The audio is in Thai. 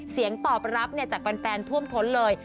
เสียงตอบรับจากแฟนท่วมท้นเลย